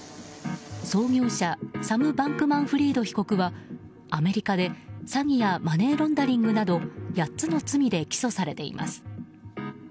創業者サム・バンクマンフリード被告はアメリカで詐欺やマネーロンダリングなど８つの罪で起訴されています。